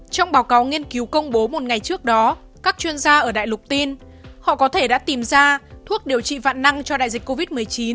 trong báo cáo nghiên cứu công bố một ngày trước đó các chuyên gia ở đại lục tin họ có thể đã tìm ra thuốc điều trị vạn năng cho đại dịch covid một mươi chín